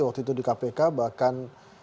waktu itu di kpk bahkan